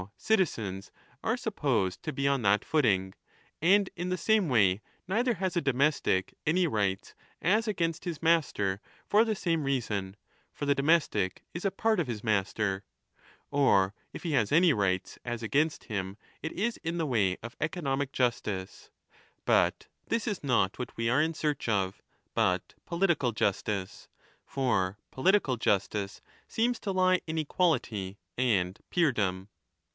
Now citizens are supposed to be on that footing. And in the same way neither has a domestic any rights as against his master for the same reason. For the domestic is a part of his master. Or if he has any rights as against him, it is in 20 the way of economic justice. But this is not what we are in search of, but political justice ; for political justice seems to lie in equality and peerdom.